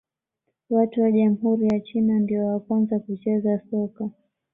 Watu wa jamhuri ya China ndio wa kwanza kucheza soka